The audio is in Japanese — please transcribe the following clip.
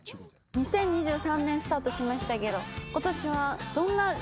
２０２３年スタートしましたけど。